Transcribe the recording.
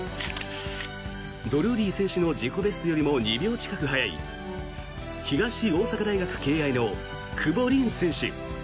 ドルーリー選手の自己ベストよりも２秒近く速い東大阪大学敬愛の久保凛選手。